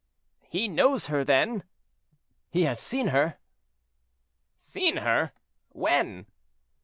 "He knows her, then?" "He has seen her." "Seen her! when?"